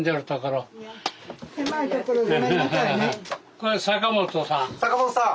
これ阪本さん。